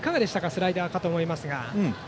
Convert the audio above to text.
スライダーかと思いますが。